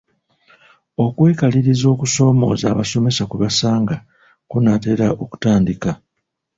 Okwekaliriza okusoomooza abasomesa kwe basanga kunaatera okutandika.